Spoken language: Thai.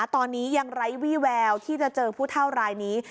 ตอนนี้ยังไร้วี่แววที่จะเจอผู้เท่ารายนี้